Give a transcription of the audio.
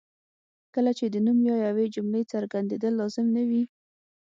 کله چې د یو نوم یا یوې جملې څرګندېدل لازم نه وي.